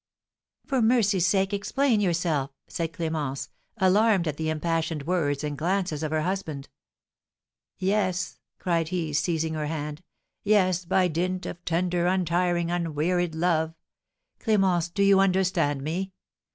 "For mercy's sake, explain yourself!" said Clémence, alarmed at the impassioned words and glances of her husband. "Yes," cried he, seizing her hand, "yes, by dint of tender, untiring, unwearied love, Clémence, do you understand me?